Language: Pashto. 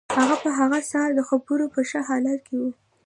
هغه په هغه سهار د خبرو په ښه حالت کې و